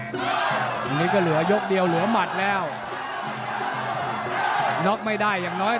มั่นใจว่าจะได้แชมป์ไปพลาดโดนในยกที่สามครับเจอหุ้กขวาตามสัญชาตยานหล่นเลยครับ